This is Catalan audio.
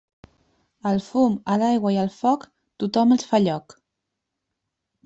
Al fum, a l'aigua i al foc, tothom els fa lloc.